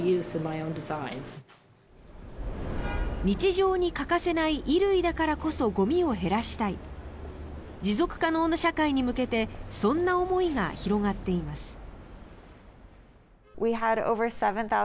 日常に欠かせない衣類だからこそゴミを減らしたい持続可能な社会に向けてそんな思いが広がっています。